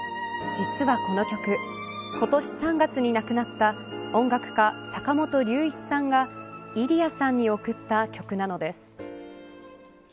実はこの曲今年３月に亡くなった音楽家、坂本龍一さんがイリアさんに贈った曲なのです。